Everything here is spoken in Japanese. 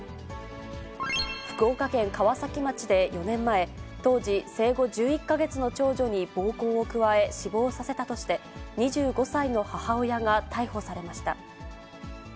福岡県川崎町で４年前、当時、生後１１か月の長女に暴行を加え、死亡させたとして、２５歳の母親が逮捕されました。